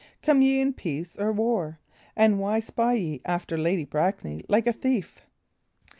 Come ye in peace or war? And why spy ye after Lady Brackley like a thief?"